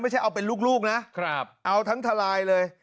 ไม่ใช่เอาเป็นลูกนะเอาทั้งทลายเลย